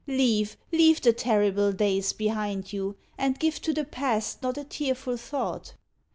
Leave, leave the terrible days behind you, And give to the past not a tearful thought."